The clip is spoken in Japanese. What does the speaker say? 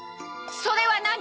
それは何？